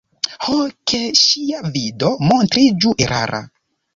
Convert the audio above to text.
Ho, ke ŝia vido montriĝu erara!